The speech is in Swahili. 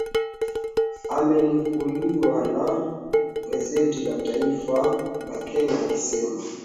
amenukuliwa na gazeti la Taifa la Kenya akisema